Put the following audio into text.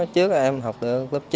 trước em học được lớp chín